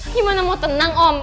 gimana mau tenang om